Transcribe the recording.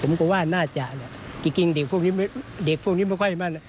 ผมก็ว่าน่าจะจริงเด็กพวกนี้ไม่ค่อยมั่น